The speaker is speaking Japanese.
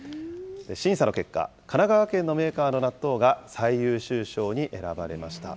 審査の結果、神奈川県のメーカーの納豆が最優秀賞に選ばれました。